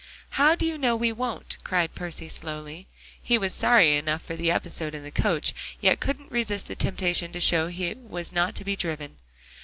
"How do you know we won't?" cried Percy slowly. He was sorry enough for the episode in the coach, yet couldn't resist the temptation to show he was not to be driven.